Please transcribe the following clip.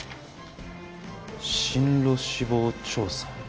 進路志望調査。